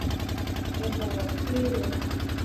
Ugonjwa huathiri mifugo ya aina zote